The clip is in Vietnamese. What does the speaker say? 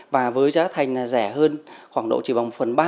và với giá thành rẻ hơn khoảng độ chỉ bằng phần ba